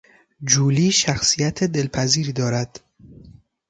جولی شخصیت دلپذیری دارد.